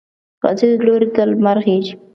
ختیځ لوري ته لمر خېژي.